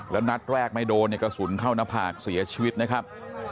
และนัดแรกไม่โดนสุดเรียกกระสุนเข้าหน้าผ่าเสียชีวิตนะครับ